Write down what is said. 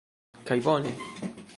Kaj bone!